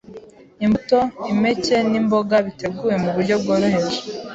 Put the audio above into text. Imbuto, impeke n’imboga, biteguwe mu buryo bworoheje,